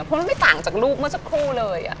เพราะมันไม่ต่างจากลูกเมื่อสักครู่เลย